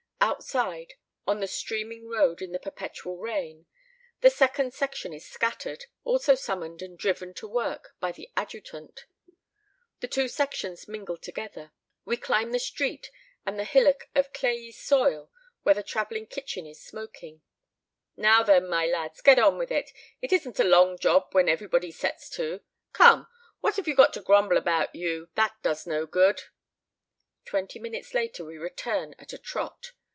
Outside, on the streaming road in the perpetual rain, the second section is scattered, also summoned and driven to work by the adjutant. The two sections mingle together. We climb the street and the hillock of clayey soil where the traveling kitchen is smoking. "Now then, my lads, get on with it; it isn't a long job when everybody sets to Come what have you got to grumble about, you? That does no good." Twenty minutes later we return at a trot.